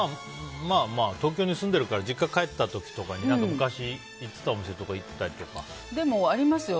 まあまあ、東京に住んでるから実家帰った時とかに昔行っていたお店とかにありますよ。